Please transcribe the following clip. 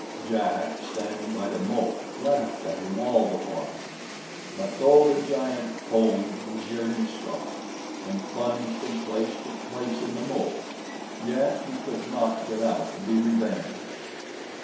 Jack, standing by the moat, laughed at him all the while; but though the giant foamed to hear him scoff, and plunged from place to place in the moat, yet he could not get out to be revenged.